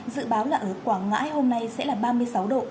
dự báo là ở quảng ngãi hôm nay sẽ là ba mươi sáu độ